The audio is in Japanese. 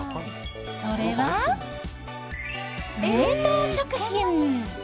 それは、冷凍食品！